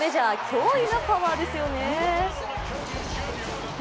驚異のパワーですよね。